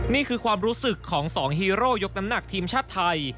นี่คือความรู้สึกของ๒ฮีโร่ยกน้ำหนักทีมชาติไทย